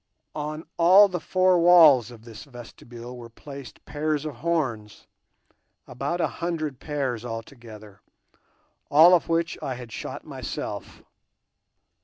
On all the four walls of this vestibule were placed pairs of horns—about a hundred pairs altogether, all of which I had shot myself.